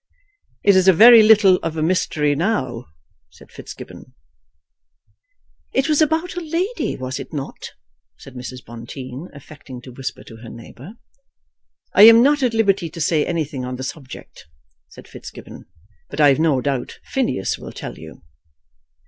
"It is very little of a mystery now," said Fitzgibbon. "It was about a lady; was it not?" said Mrs. Bonteen, affecting to whisper to her neighbour. "I am not at liberty to say anything on the subject," said Fitzgibbon; "but I have no doubt Phineas will tell you."